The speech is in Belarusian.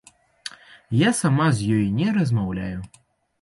Я сама з ёй не размаўляю.